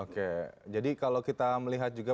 oke jadi kalau kita melihat juga